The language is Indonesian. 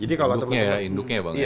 jadi kalau temen temen